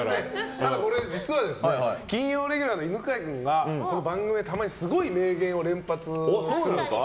実は金曜レギュラーの犬飼君が番組でたまにすごい名言を連発するんですよ。